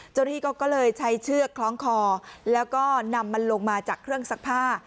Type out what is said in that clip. เจ้าหน้าที่ก็เลยใช้เชือกคล้องคอแล้วก็นำมันลงมาจากเครื่องซักผ้า